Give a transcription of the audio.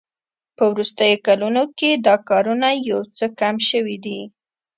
په وروستیو کلونو کې دا کارونه یو څه کم شوي دي